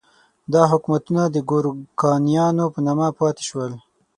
دا حکومتونه د ګورکانیانو په نامه پاتې شول.